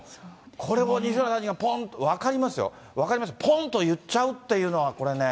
これを西村さん、ぽんと、分かりますよ、分かりますよ、ぽんと言っちゃうというのはこれね。